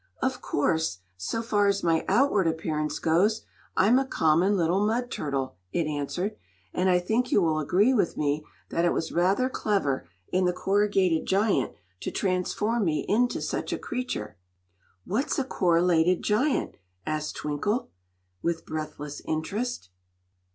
"Of course, so far as my outward appearance goes, I'm a common little mud turtle," it answered; "and I think you will agree with me that it was rather clever in the Corrugated Giant to transform me into such a creature." "What's a Corrulated Giant?" asked Twinkle, with breathless interest.